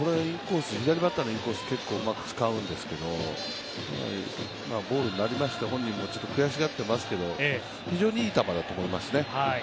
左バッターへのインコース、結構うまく使うんですけど、ボールになりまして、本人もちょっと悔しがっていますけど、非常にいい球だと思いますね。